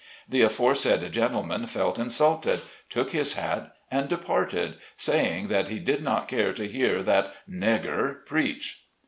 The aforesaid gentleman felt insulted, took his hat and departed, saying that he did not care to hear that "negger" preach.